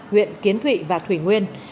huyện kiến thụy và thủy nguyên